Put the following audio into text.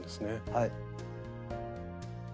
はい。